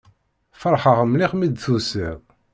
Feṛḥeɣ mliḥ mi d-tusiḍ.